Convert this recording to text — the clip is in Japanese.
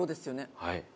はい。